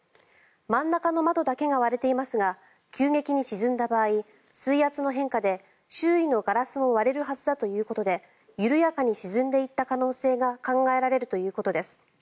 真ん中の窓だけが割れていますが急激に沈んだ場合水圧の変化で周囲のガラスも割れるはずだということで緩やかに沈んでいった可能性が考えられるということです。